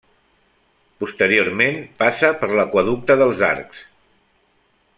Posteriorment passa per l'aqüeducte dels Arcs.